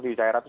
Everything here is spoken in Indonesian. di daerah itu